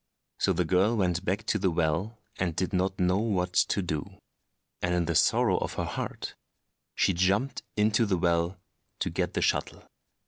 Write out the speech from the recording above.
So the girl went back to the well, and did not know what to do; and in the sorrow of her heart she jumped into the well to get the shuttle.